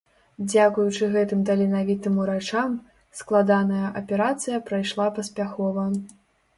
Дзякуючы гэтым таленавітым урачам, складаная аперацыя прайшла паспяхова.